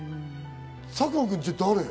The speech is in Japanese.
佐久間君、じゃあ誰？